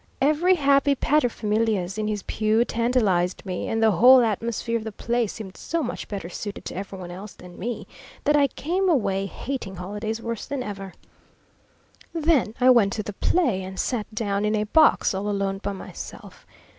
Every happy paterfamilias in his pew tantalized me, and the whole atmosphere of the place seemed so much better suited to every one else than me that I came away hating holidays worse than ever. Then I went to the play, and sat down in a box all alone by myself.